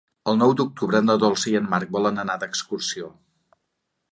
El nou d'octubre na Dolça i en Marc volen anar d'excursió.